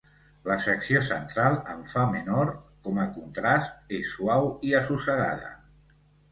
La secció central en fa menor, com a contrast, és suau i assossegada.